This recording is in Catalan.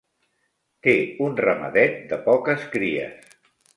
Té un ramadet de poques cries.